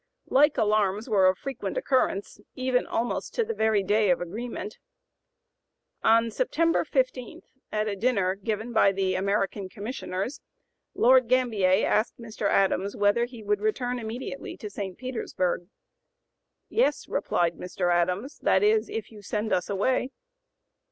Like alarms were of frequent occurrence, even almost to the very day of agreement. On September 15, at a dinner given by the American Commissioners, Lord Gambier asked Mr. Adams whether he would return immediately to St. Petersburg. "Yes," replied Mr. Adams, "that is, if you send us away."